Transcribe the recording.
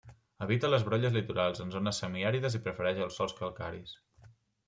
Habita les brolles litorals, en zones semiàrides i prefereix els sòls calcaris.